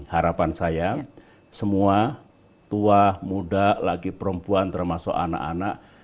harapan saya semua tua muda lagi perempuan termasuk anak anak